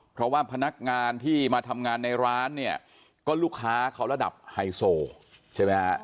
เพราะว่าพนักงานที่มาทำงานในร้านเนี่ยก็ลูกค้าเขาระดับไฮโซใช่ไหมฮะ